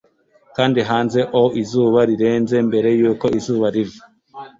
Kandi hanze o 'izuba rirenze, mbere yuko izuba riva,